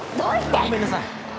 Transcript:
ごめんなさい。